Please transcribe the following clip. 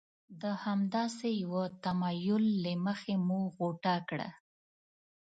د همداسې یوه تمایل له مخې مو غوټه کړه.